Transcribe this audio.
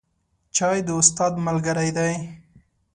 چای د استاد ملګری دی